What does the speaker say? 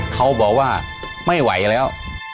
เขาบอกว่าไม่ไหวแล้ว